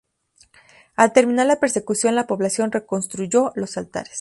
Al terminar la persecución la población reconstruyó los altares.